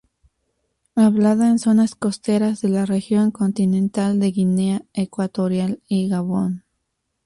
Hablada en zonas costeras de la región continental de Guinea Ecuatorial y Gabón.